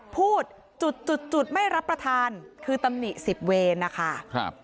พูดจุดจุดไม่รับประทานคือตำหนิสิบเวรนะคะ